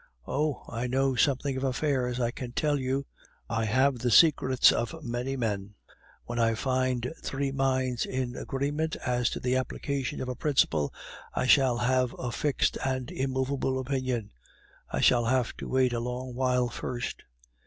Oh! I know something of affairs, I can tell you; I have the secrets of many men! Enough. When I find three minds in agreement as to the application of a principle, I shall have a fixed and immovable opinion I shall have to wait a long while first.